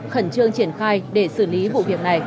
khẩn trương triển khai để xử lý vụ việc này